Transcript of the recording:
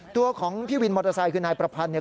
ตัวของพี่วินมอเตอร์ไซค์คือนายประพันธ์เนี่ย